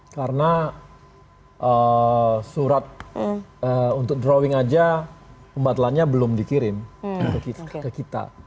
karena surat untuk drawing aja pembatalannya belum dikirim ke kita